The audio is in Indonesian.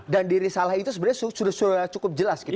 dan di risalah itu sebenarnya sudah cukup jelas gitu mas